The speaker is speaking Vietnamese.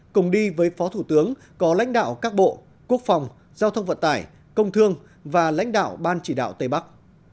cùng đi với phó thủ tướng có lãnh đạo các bộ quốc phòng giao thông vận tải công thương và lãnh đạo ban chỉ đạo tây bắc